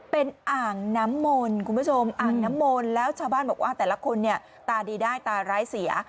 เป็นอ่างน้ำมนต์คุณผู้ชมอ่างน้ำมนต์แล้วชาวบ้านบอกว่าแต่ละคนเนี่ยตาดีได้ตาร้ายเสีย